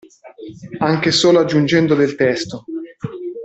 Anche solo aggiungendo del testo.